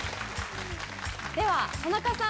では田中さん